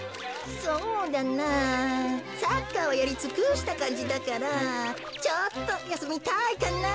そうだなサッカーはやりつくしたかんじだからちょっとやすみたいかな。